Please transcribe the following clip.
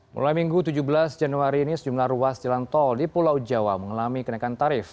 mulai minggu tujuh belas januari ini sejumlah ruas jalan tol di pulau jawa mengalami kenaikan tarif